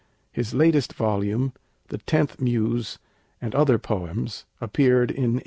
His latest volume, 'The Tenth Muse and Other Poems,' appeared in 1895.